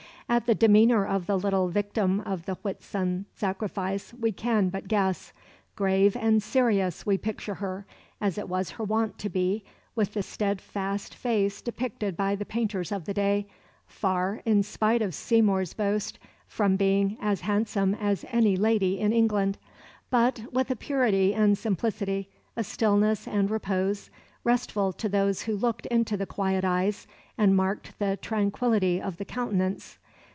At the demeanour of the little victim of the Whitsun sacrifice we can but guess. Grave and serious we picture her, as it was her wont to be, with the steadfast face depicted by the painters of the day far, in spite of Seymour's boast, from being "as handsome as any lady in England," but with a purity and simplicity, a stillness and repose, restful to those who looked into the quiet eyes and marked the tranquillity of the countenance.